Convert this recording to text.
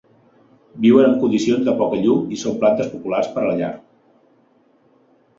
Viuen en condicions de poca llum i són plantes populars per a la llar.